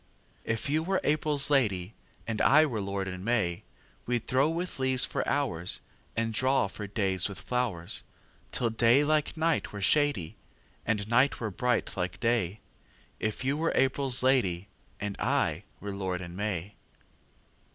If you were April's lady, And I were lord in May, We'd throw with leaves for hoursAnd draw for days with flowers, Till day like night were shadyAnd night were bright like day; If you were April's lady, And I were lord in May.